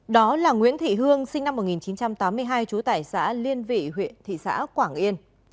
đó là nguyễn thị hương sinh năm một nghìn chín trăm tám mươi hai trú tải xã liên vị huyện thị xã quảng yên